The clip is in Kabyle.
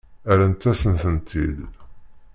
Rrant-asent-tent-id.